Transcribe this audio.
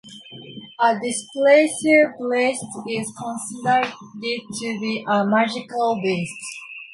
A displacer beast is considered to be a "magical beast".